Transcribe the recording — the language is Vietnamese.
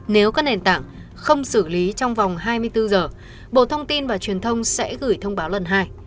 nếu các nền tảng không xử lý trong vòng hai mươi bốn giờ bộ thông tin và truyền thông sẽ gửi thông báo lần hai